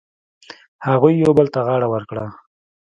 هغوی یو بل ته غاړه ورکړه.